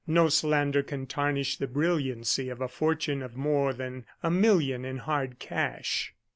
No slander can tarnish the brilliancy of a fortune of more than a million in hard cash.